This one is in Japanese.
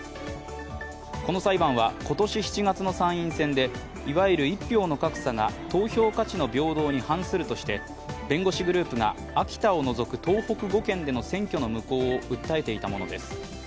この裁判は、今年７月の参院選でいわゆる一票の格差が投票価値の平等に反するとして弁護士グループが秋田を除く東北５県での選挙の無効を訴えていたものです。